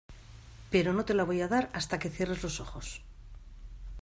pero no te la voy a dar hasta que cierres los ojos.